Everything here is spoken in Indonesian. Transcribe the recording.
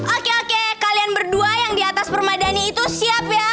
oke oke kalian berdua yang di atas permadani itu siap ya